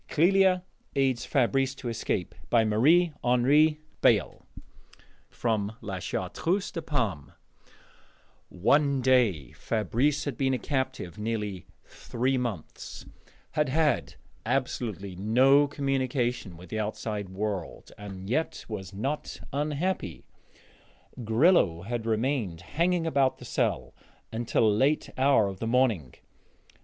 CLÉLIA AIDS FABRICE TO ESCAPE From "La Chartreuse de Parme" One day Fabrice had been a captive nearly three months, had had absolutely no communication with the outside world, and yet was not unhappy Grillo had remained hanging about the cell until a late hour of the morning.